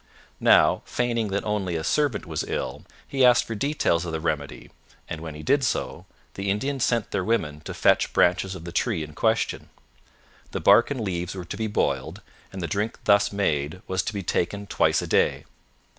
Now, feigning that only a servant was ill, he asked for details of the remedy, and, when he did so, the Indians sent their women to fetch branches of the tree in question. The bark and leaves were to be boiled, and the drink thus made was to be taken twice a day.